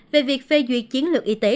về việc phê duyệt chiến lược y tế